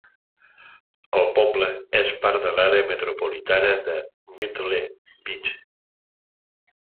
El poble és part de l'àrea metropolitana de Myrtle Beach.